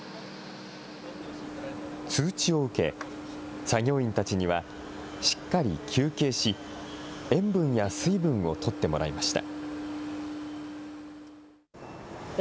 通知を受け、作業員たちにはしっかり休憩し、塩分や水分をとってもらいました。